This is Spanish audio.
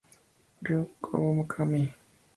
Ryu Kawakami